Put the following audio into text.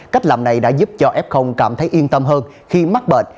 cách làm này đã giúp cho f cảm thấy yên tâm hơn khi mắc bệnh